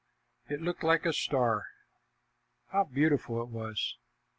It looked like a star. How beautiful it was!